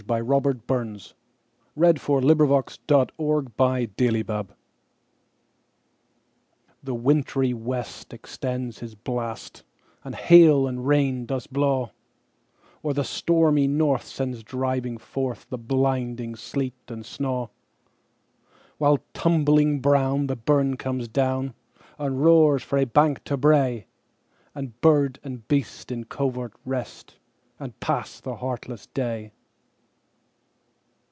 The Harvard Classics. 1909–14. 1781 15 . Winter: A Dirge THE WINTRY west extends his blast, And hail and rain does blaw; Or the stormy north sends driving forthThe blinding sleet and snaw:While, tumbling brown, the burn comes down, And roars frae bank to brae; And bird and beast in covert rest, And pass the heartless day.